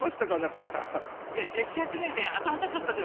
いやジェスチャー違いで当たらなかったです！